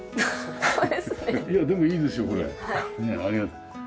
いやでもいいですよこれ。